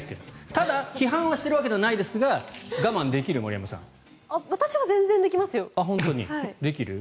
ただ、批判をしているわけではないですが私は全然できますよ。